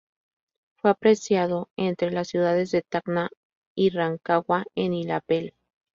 Fue apreciado entre las ciudades de Tacna y Rancagua, en Illapel.